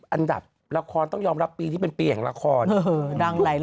อันดับละครต้องยอมรับปีที่เป็นปีแห่งละคร